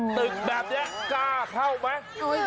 ตึกแบบนี้กล้าเข้าไหม